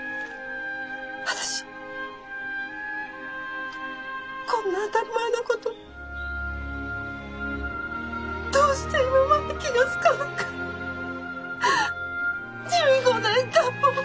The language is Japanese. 私こんな当たり前の事どうして今まで気が付かなかった１５年間も！